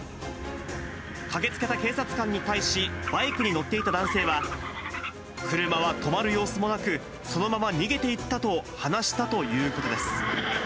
駆けつけた警察官に対し、バイクに乗っていた男性は、車は止まる様子もなく、そのまま逃げていったと話したということです。